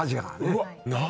うわっ何？